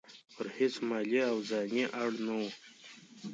پر هیڅ مالي او ځاني اړ نه وو.